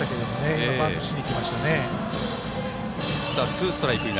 今、バントしにいきましたね。